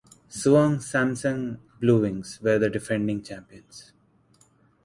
Suwon Samsung Bluewings were the defending champions.